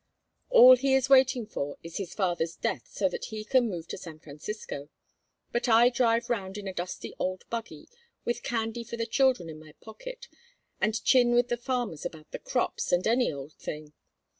All he is waiting for is his father's death so that he can move to San Francisco. But I drive round in a dusty old buggy, with candy for the children in my pocket, and chin with the farmers about the crops and any old thing.